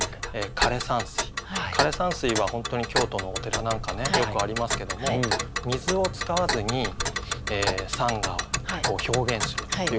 枯山水は本当に京都のお寺なんかねよくありますけども水を使わずに山河を表現するということですよね。